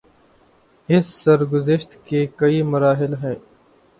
اس سرگزشت کے کئی مراحل ہیں۔